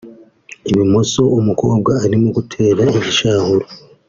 Ibumoso umukobwa arimo gutera igishahuro